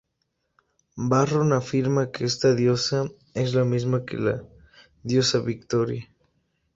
Varrón afirma que esta diosa es la misma que la diosa Victoria.